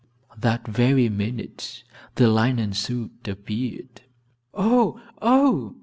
That very minute the linen suit appeared. "Oh, oh!"